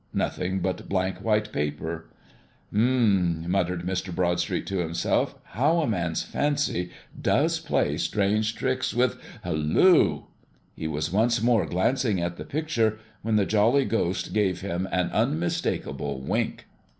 Nothing but blank white paper. "H'm," muttered Mr. Broadstreet to himself, "how a man's fancy does play strange tricks with Halloo!" He was once more glancing at the picture, when the jolly Ghost gave him an unmistakable wink.